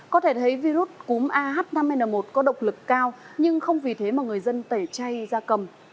có thể thấy virus cúm ah năm n một có động lực cao nhưng không vì thế mà người dân tẩy chay da cầm